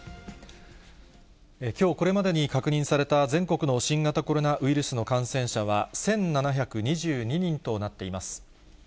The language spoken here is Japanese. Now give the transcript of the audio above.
きょうこれまでに確認された全国の新型コロナウイルスの感染者は、１７２２人となっています。